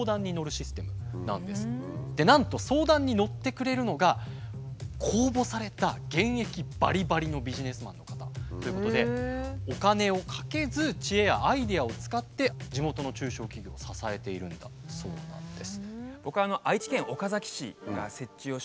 なんと相談に乗ってくれるのが公募された現役ばりばりのビジネスマンの方ということでお金をかけず知恵やアイデアを使って地元の中小企業を支えているんだそうなんです。